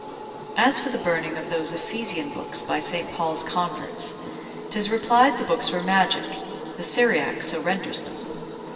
As for the burning of those Ephesian books by St. Paul's converts; 'tis replied the books were magic, the Syriac so renders them.